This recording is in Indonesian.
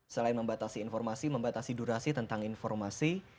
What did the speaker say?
selain membatasi informasi membatasi durasi tentang informasi